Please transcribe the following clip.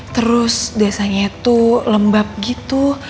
terus desanya tuh lembab gitu